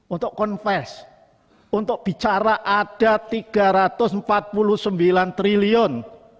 untuk konfest untuk bicara ada tiga ratus empat puluh sembilan triliun